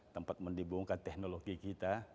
tempat mendibongkar teknologi kita